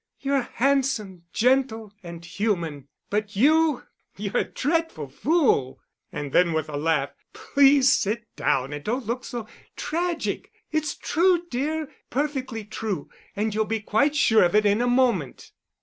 "You're handsome, gentle and human—but you—you're a dreadful fool!" And then, with a laugh, "Please sit down and don't look so tragic. It's true, dear, perfectly true, and you'll be quite sure of it in a moment."